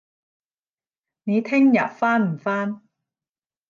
你聽日返唔返